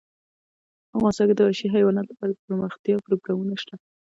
افغانستان کې د وحشي حیوانات لپاره دپرمختیا پروګرامونه شته.